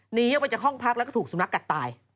หนีออกไปจากห้องพักแล้วก็ถูกสุนัขกัดตาย